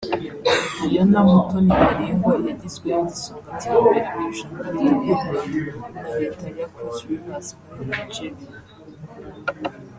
Fiona Muthoni Naringwa yagizwe igisonga cya mbere mu irushanwa ritegurwa na Leta ya Cross Rivers yo muri Nigeria